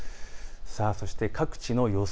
そして各地の予想